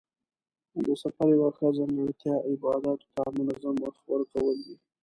د سفر یوه ښه ځانګړتیا عباداتو ته منظم وخت ورکول دي.